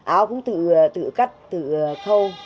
áo cũng tự cắt tự khâu